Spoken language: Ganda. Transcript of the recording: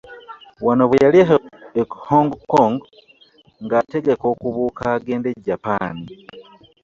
Wano bwe yali e HongKong ng'ategeka okubuuka agende e Japan